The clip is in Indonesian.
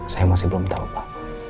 saya masih belum tahu pak